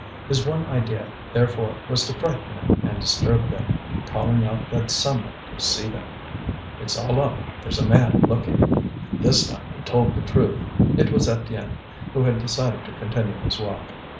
His one idea, therefore, was to frighten them and disturb them, calling out that someone could see them. "It's all up! There's a man looking." This time he told the truth; it was Étienne, who had decided to continue his walk.